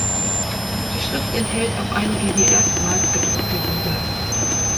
Die Schrift enthält auch einige hier erstmals gedruckte Lieder.